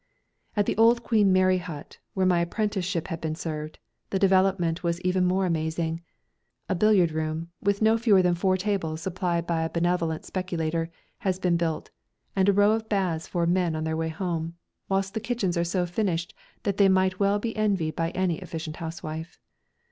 At the old Queen Mary Hut, where my apprenticeship had been served, the development was even more amazing. A billiard room, with no fewer than four tables supplied by a benevolent speculator, has been built, and a row of baths for men on their way home, whilst the kitchens are so finished that they might well be envied by any efficient housewife.